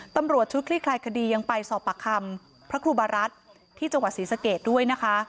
ตำรวจชุดคลี่คลายคดียังไปสอบปากคำพระครูบารัฐที่จังหวัดศรีสะเกดด้วยนะคะ